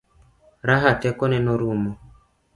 Raha teko ne norumo.